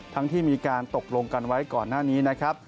ที่มีการตกลงกันไว้ก่อนหน้านี้นะครับ